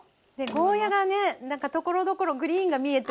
ゴーヤーがねなんかところどころグリーンが見えて。